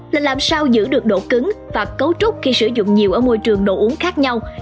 là làm sao giữ được độ cứng và cấu trúc khi sử dụng nhiều ở môi trường đồ uống khác nhau